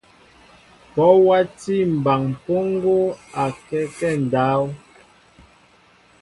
Bɔ watí mɓaŋ mpoŋgo akɛkέ ndáw.